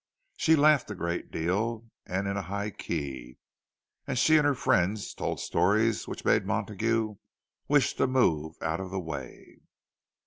She laughed a great deal, and in a high key, and she and her friends told stories which made Montague wish to move out of the way.